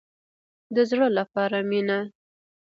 د زړه لپاره مینه.